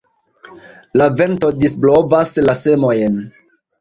La vento disblovas la semojn.